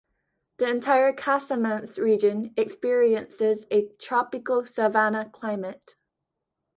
The entire Casamance region experiences a tropical savanna climate.